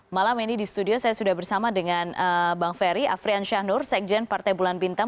malam ini di studio saya sudah bersama dengan bang ferry afrian syahnur sekjen partai bulan bintang